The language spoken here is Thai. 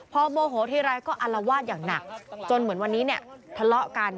พอโมโหทีไรก็อารวาสอย่างหนักจนเหมือนวันนี้เนี่ยทะเลาะกัน